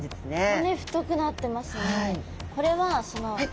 骨太くなってますね！